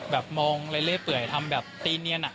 แบบมองเรื่อยทำแบบตีเนียน